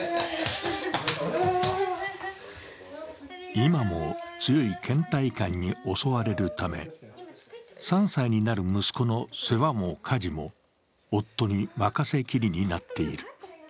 今も強いけん怠感に襲われるため、３歳になる息子の世話も家事も、夫に任せきりになっている。